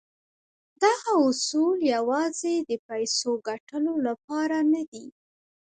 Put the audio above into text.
دغه اصول يوازې د پيسو ګټلو لپاره نه دي.